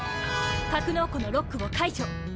格納庫のロックを解除！